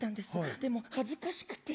でも、恥ずかしくて。